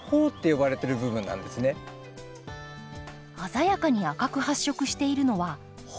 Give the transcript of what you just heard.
鮮やかに赤く発色しているのは苞。